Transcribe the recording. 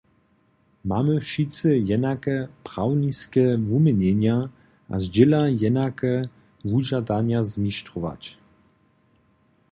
Mamy wšitcy jenake prawniske wuměnjenja a zdźěla jenake wužadanja zmištrować.